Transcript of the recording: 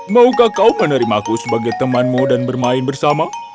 maukah kau menerimaku sebagai temanmu dan bermain bersama